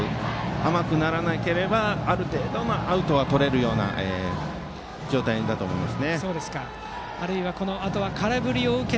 甘くならなければある程度アウトはとれる状態だと思います。